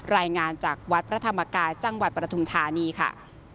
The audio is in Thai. รายงานจากวัดพระธรรมกายจังหวัดปฐุมธานีค่ะ